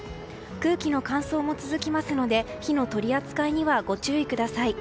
空気の乾燥も続きますので火の取り扱いにはご注意ください。